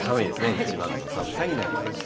いちばんの寒さになりました。